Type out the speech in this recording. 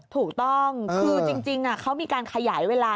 ถูกต้องคือจริงเขามีการขยายเวลา